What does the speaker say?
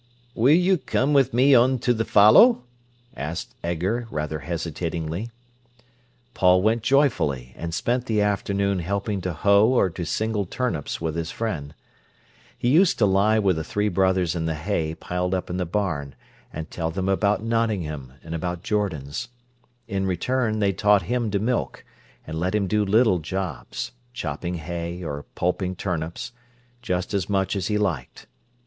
"Will you come with me on to the fallow?" asked Edgar, rather hesitatingly. Paul went joyfully, and spent the afternoon helping to hoe or to single turnips with his friend. He used to lie with the three brothers in the hay piled up in the barn and tell them about Nottingham and about Jordan's. In return, they taught him to milk, and let him do little jobs—chopping hay or pulping turnips—just as much as he liked.